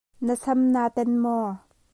Na sam na tan maw?